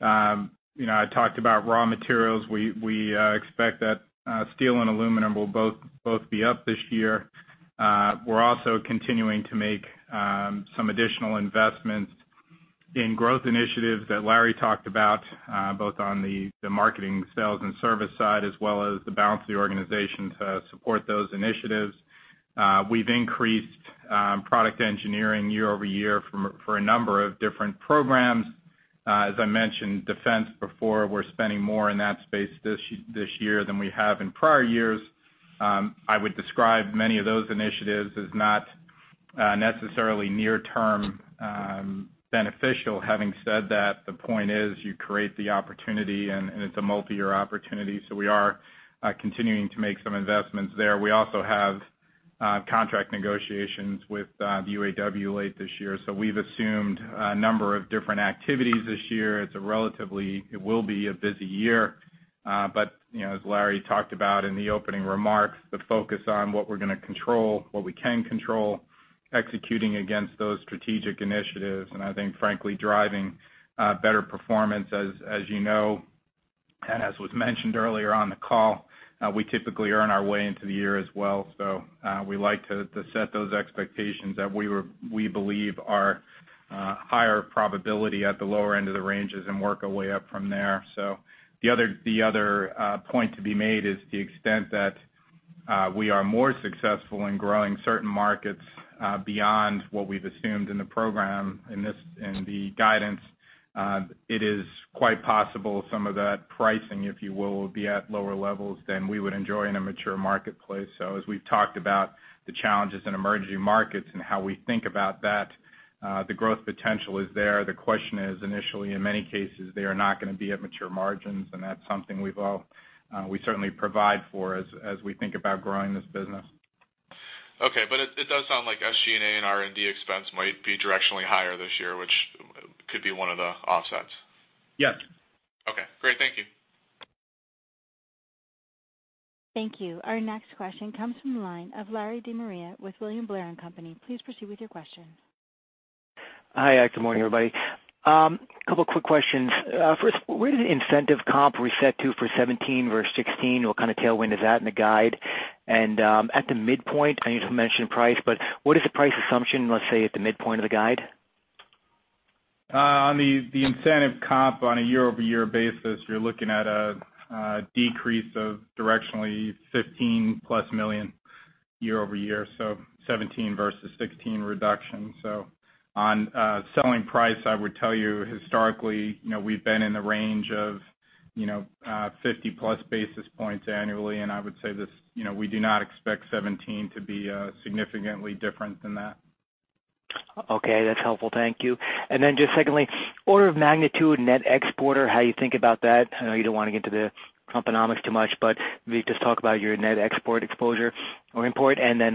You know, I talked about raw materials. We expect that steel and aluminum will both be up this year. We're also continuing to make some additional investments in growth initiatives that Larry talked about, both on the marketing, sales, and service side, as well as the balance of the organization to support those initiatives. We've increased product engineering year over year for a number of different programs. As I mentioned, defense before, we're spending more in that space this year than we have in prior years. I would describe many of those initiatives as not necessarily near term beneficial. Having said that, the point is you create the opportunity, and it's a multi-year opportunity, so we are continuing to make some investments there. We also have contract negotiations with the UAW late this year, so we've assumed a number of different activities this year. It's a relatively- it will be a busy year. But, you know, as Larry talked about in the opening remarks, the focus on what we're gonna control, what we can control, executing against those strategic initiatives, and I think frankly, driving better performance as you know, and as was mentioned earlier on the call, we typically earn our way into the year as well. So, we like to set those expectations that we believe are higher probability at the lower end of the ranges and work our way up from there. So the point to be made is the extent that we are more successful in growing certain markets beyond what we've assumed in the program, in the guidance. It is quite possible some of that pricing, if you will, will be at lower levels than we would enjoy in a mature marketplace. So as we've talked about the challenges in emerging markets and how we think about that, the growth potential is there. The question is, initially, in many cases, they are not gonna be at mature margins, and that's something we certainly provide for as we think about growing this business. Okay, but it does sound like SG&A and R&D expense might be directionally higher this year, which could be one of the offsets. Yes. Okay, great. Thank you. Thank you. Our next question comes from the line of Larry De Maria with William Blair & Company. Please proceed with your question. Hi, good morning, everybody. A couple quick questions. First, where did incentive comp reset to for 2017 versus 2016? What kind of tailwind is that in the guide? And, at the midpoint, I know you mentioned price, but what is the price assumption, let's say, at the midpoint of the guide? On the incentive comp on a year-over-year basis, you're looking at a decrease of directionally $15+ million year over year, so 2017 versus 2016 reduction. So on selling price, I would tell you historically, you know, we've been in the range of, you know, 50+ basis points annually, and I would say this, you know, we do not expect 2017 to be significantly different than that. Okay. That's helpful. Thank you. And then just secondly, order of magnitude net exporter, how you think about that? I know you don't want to get into the Trumponomics too much, but maybe just talk about your net export exposure or import, and then,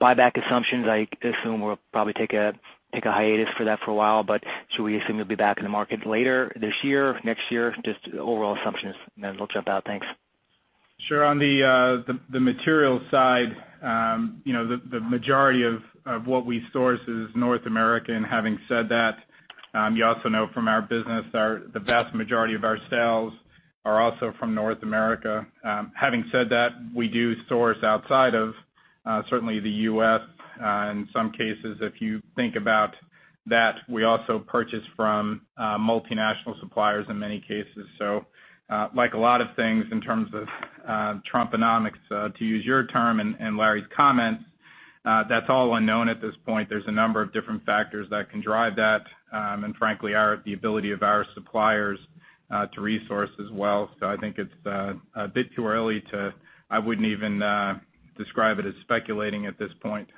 buyback assumptions. I assume we'll probably take a hiatus for that for a while, but should we assume you'll be back in the market later this year, next year? Just overall assumptions, and then we'll jump out. Thanks. Sure. On the materials side, you know, the majority of what we source is North American. Having said that, you also know from our business, the vast majority of our sales are also from North America. Having said that, we do source outside of certainly the U.S. in some cases, if you think about that, we also purchase from multinational suppliers in many cases. So, like a lot of things in terms of Trumponomics to use your term and Larry's comments, that's all unknown at this point. There's a number of different factors that can drive that, and frankly, the ability of our suppliers to resource as well. So I think it's a bit too early to... I wouldn't even describe it as speculating at this point.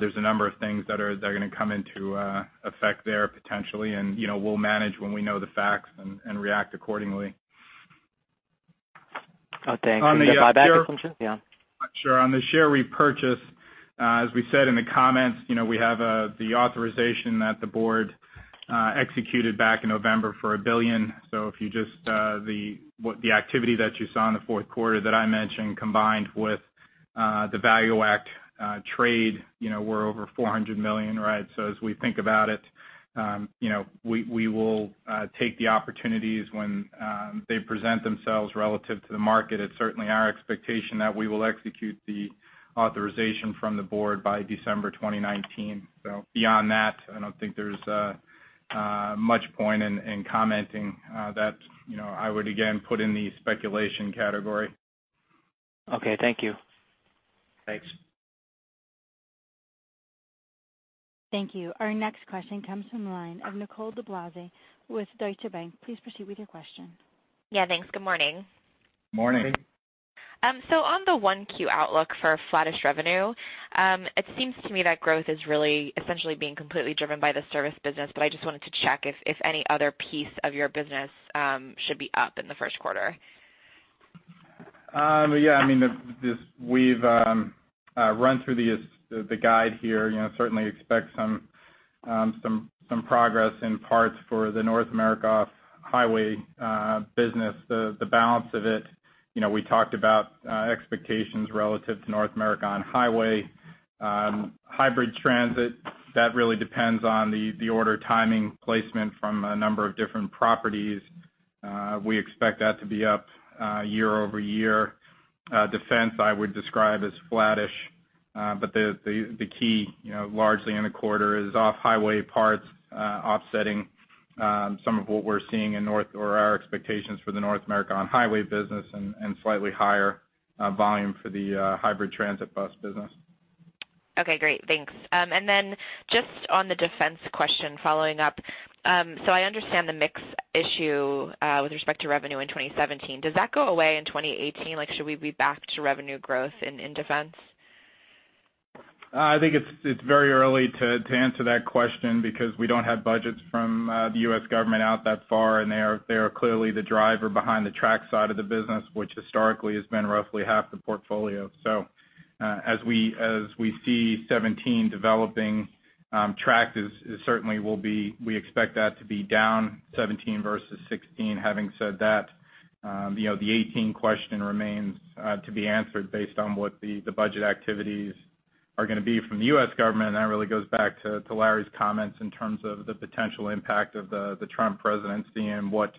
There's a number of things that are gonna come into effect there potentially. You know, we'll manage when we know the facts and react accordingly. Okay. On the share- The buyback assumption? Yeah. Sure. On the share repurchase, as we said in the comments, you know, we have the authorization that the board executed back in November for $1 billion. So if you just the activity that you saw in the fourth quarter that I mentioned, combined with the ValueAct trade, you know, we're over $400 million, right? So as we think about it, you know, we will take the opportunities when they present themselves relative to the market. It's certainly our expectation that we will execute the authorization from the board by December 2019. So beyond that, I don't think there's much point in commenting that, you know, I would again put in the speculation category. Okay, thank you. Thanks. Thank you. Our next question comes from the line of Nicole DeBlase with Deutsche Bank. Please proceed with your question. Yeah, thanks. Good morning. Morning. So on the 1Q outlook for flattish revenue, it seems to me that growth is really essentially being completely driven by the service business, but I just wanted to check if, if any other piece of your business should be up in the first quarter. Yeah, I mean, we've run through the guide here, you know, certainly expect some progress in parts for the North America On-Highway business. The balance of it, you know, we talked about expectations relative to North America On-Highway. Hybrid Transit, that really depends on the order timing placement from a number of different properties. We expect that to be up year-over-year. Defense, I would describe as flattish, but the key, you know, largely in the quarter is off-highway parts offsetting some of what we're seeing in North America or our expectations for the North America On-Highway business and slightly higher volume for the Hybrid Transit bus business.... Okay, great, thanks. And then just on the defense question following up, so I understand the mix issue with respect to revenue in 2017. Does that go away in 2018? Like, should we be back to revenue growth in defense? I think it's very early to answer that question because we don't have budgets from the U.S. government out that far, and they are clearly the driver behind the Tracked side of the business, which historically has been roughly half the portfolio. So, as we see 2017 developing, Tracked is certainly. We expect that to be down 2017 versus 2016. Having said that, you know, the 2018 question remains to be answered based on what the budget activities are gonna be from the U.S. government, and that really goes back to Larry's comments in terms of the potential impact of the Trump presidency and what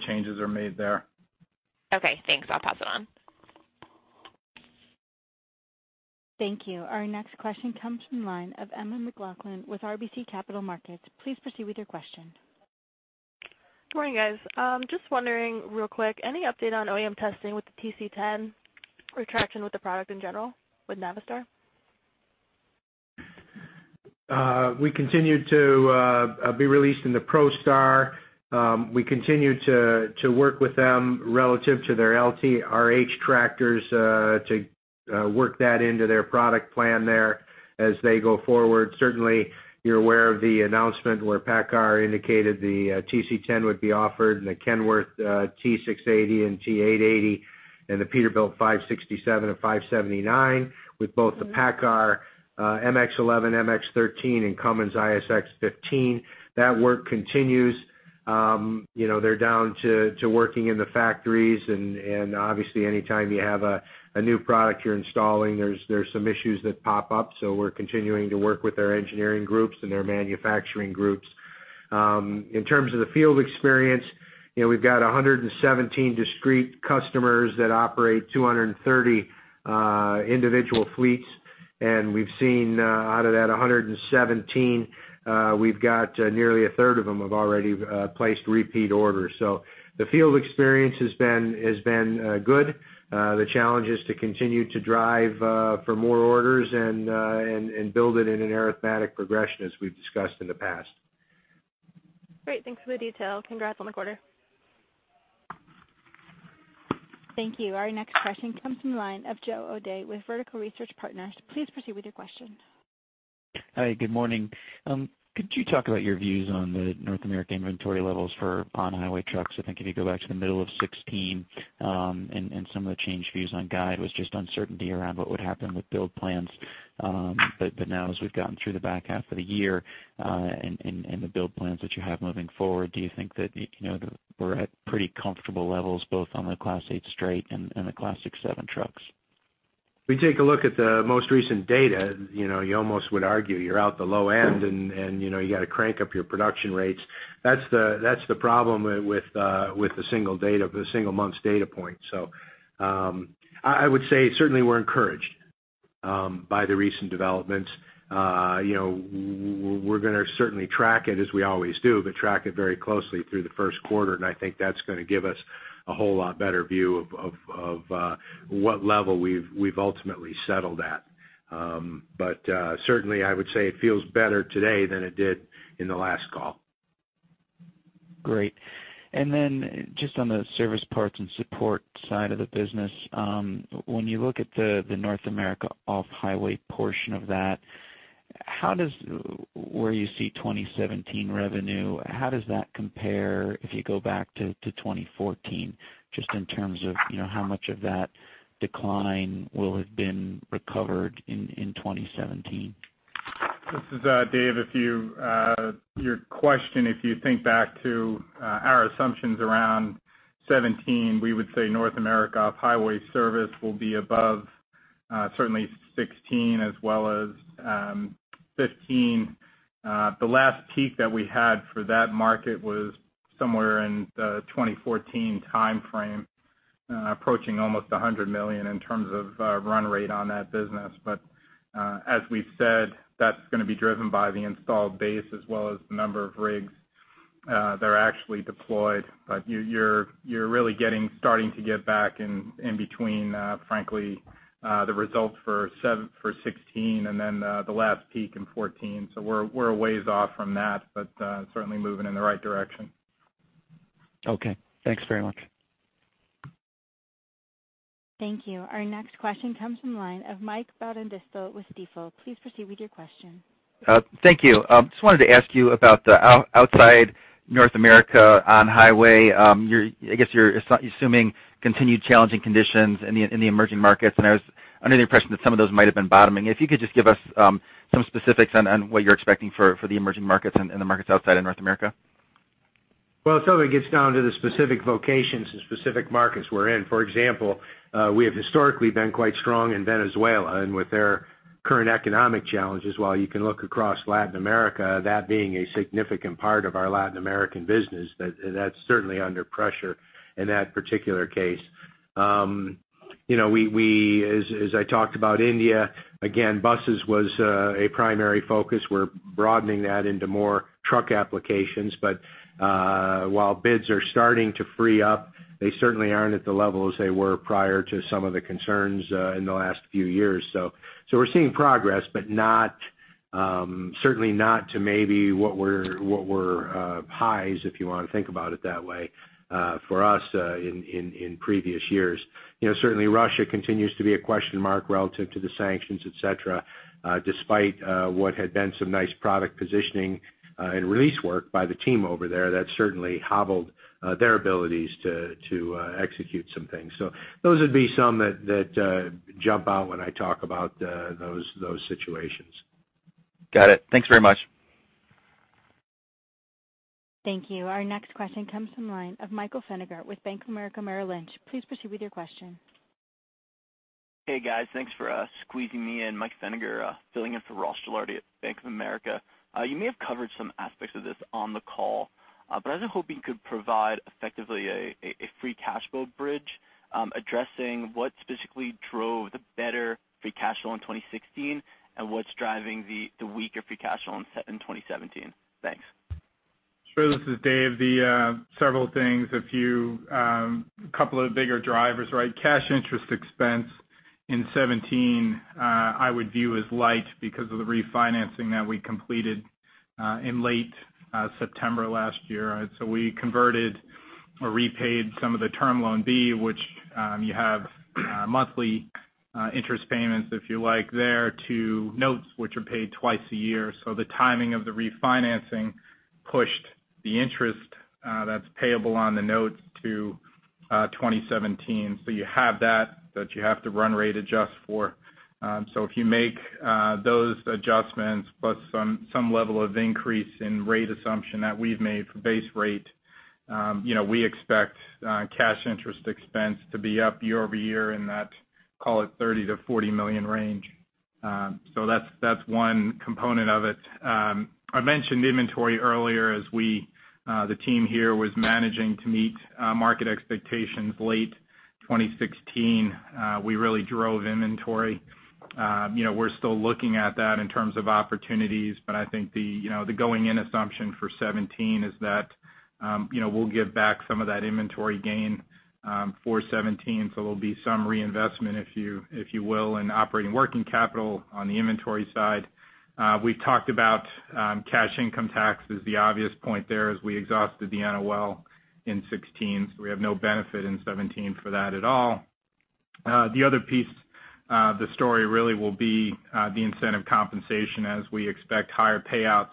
changes are made there. Okay, thanks. I'll pass it on. Thank you. Our next question comes from the line of Emma McLaughlin with RBC Capital Markets. Please proceed with your question. Good morning, guys. Just wondering real quick, any update on OEM testing with the TC10 or traction with the product in general with Navistar? We continue to be released in the ProStar. We continue to work with them relative to their LT/RH tractors, to work that into their product plan there as they go forward. Certainly, you're aware of the announcement where PACCAR indicated the TC10 would be offered, and the Kenworth T680 and T880, and the Peterbilt 567 and 579, with both the PACCAR MX-11, MX-13, and Cummins ISX15. That work continues. You know, they're down to working in the factories and obviously, anytime you have a new product you're installing, there's some issues that pop up, so we're continuing to work with their engineering groups and their manufacturing groups. In terms of the field experience, you know, we've got 117 discrete customers that operate 230 individual fleets, and we've seen out of that 117, we've got nearly a third of them have already placed repeat orders. So the field experience has been, has been good. The challenge is to continue to drive for more orders and, and, and build it in an arithmetic progression, as we've discussed in the past. Great. Thanks for the detail. Congrats on the quarter. Thank you. Our next question comes from the line of Joe O'Dea with Vertical Research Partners. Please proceed with your question. Hi, good morning. Could you talk about your views on the North American inventory levels for on-highway trucks? I think if you go back to the middle of 2016, and some of the changed views on guide, was just uncertainty around what would happen with build plans. But now as we've gotten through the back half of the year, and the build plans that you have moving forward, do you think that, you know, we're at pretty comfortable levels, both on the Class 8 straight and the Class 7 trucks? If we take a look at the most recent data, you know, you almost would argue you're out the low end and, you know, you got to crank up your production rates. That's the problem with the single data, the single month's data point. So, I would say certainly we're encouraged by the recent developments. You know, we're gonna certainly track it, as we always do, but track it very closely through the first quarter, and I think that's gonna give us a whole lot better view of what level we've ultimately settled at. But certainly, I would say it feels better today than it did in the last call. Great. And then just on the service parts and support side of the business, when you look at the North America Off-Highway portion of that, how does, where you see 2017 revenue, how does that compare if you go back to 2014, just in terms of, you know, how much of that decline will have been recovered in 2017? This is Dave. If your question, if you think back to our assumptions around 2017, we would say North America Off-Highway service will be above certainly 2016 as well as 2015. The last peak that we had for that market was somewhere in the 2014 timeframe, approaching almost $100 million in terms of run rate on that business. But as we've said, that's gonna be driven by the installed base as well as the number of rigs that are actually deployed. But you're really starting to get back in between, frankly, the results for 2016 and then the last peak in 2014. So we're a ways off from that, but certainly moving in the right direction. Okay, thanks very much. Thank you. Our next question comes from the line of Michael Baudendistel with Stifel. Please proceed with your question. Thank you. Just wanted Outside North America On-Highway. i guess you're assuming continued challenging conditions in the emerging markets, and I was under the impression that some of those might have been bottoming. If you could just give us some specifics on what you're expecting for the emerging markets and the markets outside of North America. Well, it certainly gets down to the specific locations and specific markets we're in. For example, we have historically been quite strong in Venezuela, and with their current economic challenges, while you can look across Latin America, that being a significant part of our Latin American business, that's certainly under pressure in that particular case. You know, we, as I talked about India, again, buses was a primary focus. We're broadening that into more truck applications. But, while bids are starting to free up, they certainly aren't at the levels they were prior to some of the concerns in the last few years. So we're seeing progress, but not certainly not to maybe what were highs, if you wanna think about it that way, for us in previous years. You know, certainly Russia continues to be a question mark relative to the sanctions, et cetera, despite what had been some nice product positioning and release work by the team over there, that certainly hobbled their abilities to execute some things. So those would be some that jump out when I talk about those situations. Got it. Thanks very much. Thank you. Our next question comes from the line of Michael Feniger with Bank of America Merrill Lynch Please proceed with your question. Hey, guys. Thanks for squeezing me in. Mike Feniger, filling in for Ross Gilardi at Bank of America. You may have covered some aspects of this on the call, but I was hoping you could provide effectively a free cash flow bridge, addressing what specifically drove the better free cash flow in 2016, and what's driving the weaker free cash flow in 2017. Thanks. Sure. This is Dave. A couple of bigger drivers, right? Cash interest expense in 2017, I would view as light because of the refinancing that we completed in late September last year. So we converted or repaid some of the Term Loan B, which you have monthly interest payments, if you like, there, to notes, which are paid twice a year. So the timing of the refinancing pushed the interest that's payable on the notes to 2017. So you have that you have to run rate adjust for. So if you make those adjustments, plus some level of increase in rate assumption that we've made for base rate, you know, we expect cash interest expense to be up year-over-year in that, call it $30 million-$40 million range. So that's one component of it. I mentioned inventory earlier as we, the team here was managing to meet market expectations late 2016. You know, we're still looking at that in terms of opportunities, but I think the, you know, the going-in assumption for 2017 is that, you know, we'll give back some of that inventory gain, for 2017, so there'll be some reinvestment, if you will, in operating working capital on the inventory side. We've talked about cash income tax is the obvious point there as we exhausted the NOL in 2016, so we have no benefit in 2017 for that at all. The other piece, the story really will be the incentive compensation as we expect higher payouts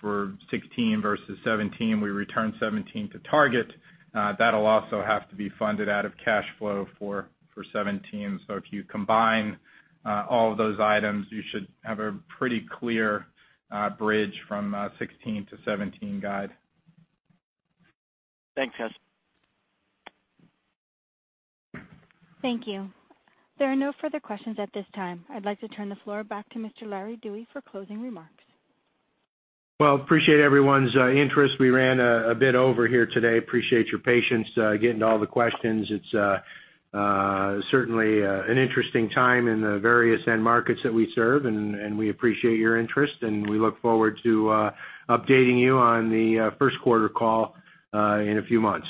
for 2016 versus 2017. We returned 2017 to target. That'll also have to be funded out of cash flow for 2017. So if you combine all of those items, you should have a pretty clear bridge from 2016 to 2017 guide. Thanks, guys. Thank you. There are no further questions at this time. I'd like to turn the floor back to Mr. Larry Dewey for closing remarks. Well, appreciate everyone's interest. We ran a bit over here today. Appreciate your patience getting to all the questions. It's certainly an interesting time in the various end markets that we serve, and we appreciate your interest, and we look forward to updating you on the first quarter call in a few months.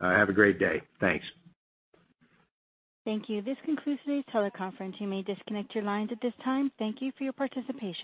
Have a great day. Thanks. Thank you. This concludes today's teleconference. You may disconnect your lines at this time. Thank you for your participation.